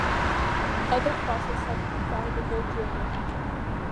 Other fossils have been found in Bulgaria.